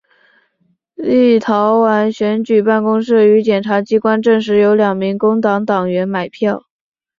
立陶宛选举办公室与检察机关证实有两名工党党员买票。